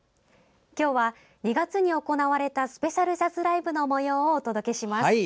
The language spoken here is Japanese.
今日は２月に行われたスペシャルジャズライブのもようをお届けします。